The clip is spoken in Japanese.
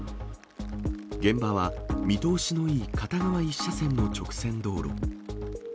現場は見通しのいい片側１車線の直線道路。